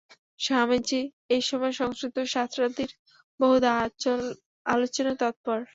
স্বামীজী এই সময় সংস্কৃত শাস্ত্রাদির বহুধা আলোচনায় তৎপর।